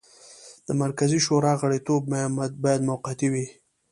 د مرکزي شورا غړیتوب باید موقتي وي.